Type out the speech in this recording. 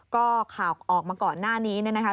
ก็ข่าวออกมาก่อนหน้านี้เนี่ยนะคะ